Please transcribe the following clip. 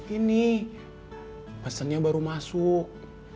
ini pesennya baru masuk